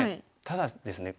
ただですね